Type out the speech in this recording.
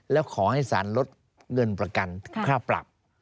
แล้วขอให้สารลดเงินประกันค่าปรับ